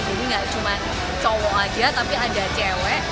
jadi gak cuma cowok aja tapi ada cewek